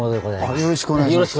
よろしくお願いします。